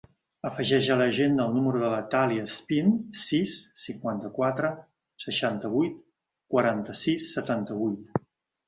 Afegeix a l'agenda el número de la Thàlia Espin: sis, cinquanta-quatre, seixanta-vuit, quaranta-sis, setanta-vuit.